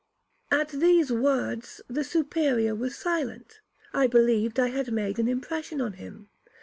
At these words the Superior was silent. I believed I had made an impression on him.